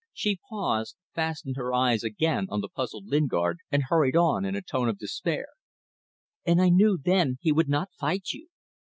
She paused, fastened her eyes again on the puzzled Lingard, and hurried on in a tone of despair "And I knew then he would not fight you!